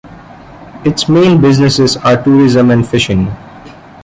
Its main businesses are tourism and fishing.